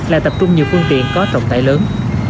lại tập trung nhiều phương tiện có trọng tải lớn